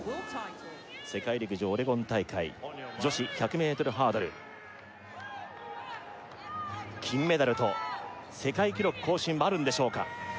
世界陸上オレゴン大会女子１００ｍハードル金メダルと世界記録更新もあるんでしょうか